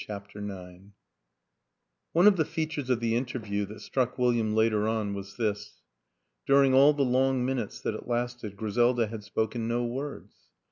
CHAPTER IX ONE of the features of the interview that struck William later on was this dur ing all the long minutes that it lasted Gri selda had spoken no words.